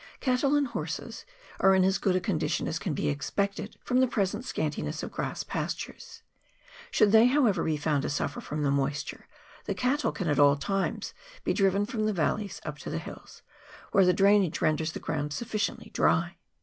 Cattle and horses are in as good a condition as can be expected from the present scantiness of grass pastures : should they, however, be found to suffer from the moisture, the cattle can at all times be driven from the valleys up to the hills, where the drainage renders the ground sufficiently dry.